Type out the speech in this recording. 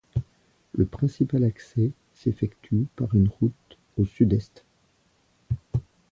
Le principal accès s'effectue par une route au sud-est.